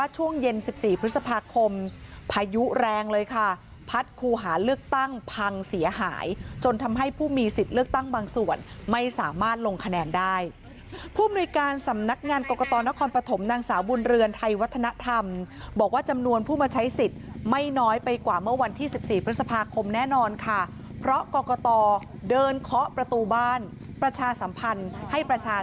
ช่วงเย็น๑๔พฤษภาคมพายุแรงเลยค่ะพัดครูหาเลือกตั้งพังเสียหายจนทำให้ผู้มีสิทธิ์เลือกตั้งบางส่วนไม่สามารถลงคะแนนได้ผู้มนุยการสำนักงานกรกตนครปฐมนางสาวบุญเรือนไทยวัฒนธรรมบอกว่าจำนวนผู้มาใช้สิทธิ์ไม่น้อยไปกว่าเมื่อวันที่๑๔พฤษภาคมแน่นอนค่ะเพราะกรกตเดินเคาะประตูบ้านประชาสัมพันธ์ให้ประชา